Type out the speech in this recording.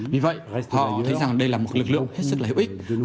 vì vậy họ thấy rằng đây là một lực lượng hết sức là hữu ích